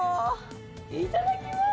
いただきまーす。